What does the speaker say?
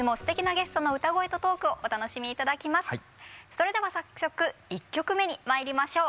それでは早速１曲目にまいりましょう。